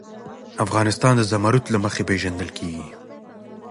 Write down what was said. افغانستان د زمرد له مخې پېژندل کېږي.